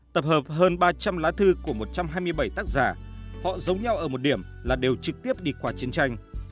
tập hợp hơn ba trăm linh lá thư của một trăm hai mươi bảy tác giả họ giống nhau ở một điểm là đều trực tiếp đi qua chiến tranh